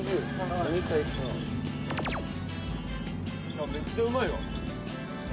あっめっちゃうまいわ。